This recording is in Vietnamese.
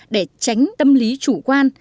để tránh tâm lý chủ quan